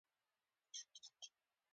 زما وای فای انتن کمزورې نښې نیسي.